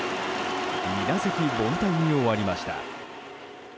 ２打席凡退に終わりました。